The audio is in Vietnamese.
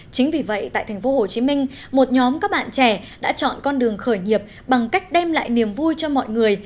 chính vì vậy tại tp hcm một nhóm các bạn trẻ đã chọn con đường khởi nghiệp bằng cách đem lại niềm vui cho mọi người